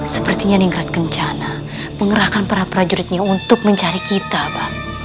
sepertinya ningrat kencana mengerahkan para prajuritnya untuk mencari kita pak